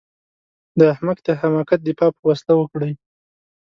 د احمق د حماقت دفاع په وسيله وکړئ.